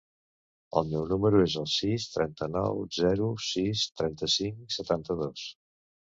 El meu número es el sis, trenta-nou, zero, sis, trenta-cinc, setanta-dos.